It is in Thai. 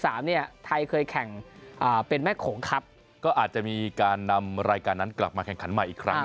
ไทยเคยแข่งเป็นแม่โขงครับก็อาจจะมีการนำรายการนั้นกลับมาแข่งขันใหม่อีกครั้งหนึ่ง